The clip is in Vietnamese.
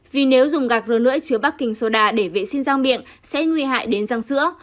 vì nếu dùng gạc dơ lưỡi chứa baking soda để vệ sinh răng miệng sẽ nguy hại đến răng sữa